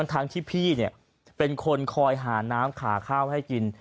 ทั้งที่พี่เป็นคนคอยหาน้ำหาข้าวให้กิน